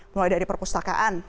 mulai dari perpustakaan